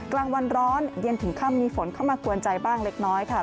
กลางวันร้อนเย็นถึงค่ำมีฝนเข้ามากวนใจบ้างเล็กน้อยค่ะ